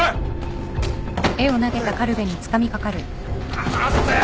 離せよ！